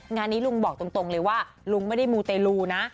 งานนี้ลุงบอกตรงเลยว่าลุงไม่ได้มูเตลูนะ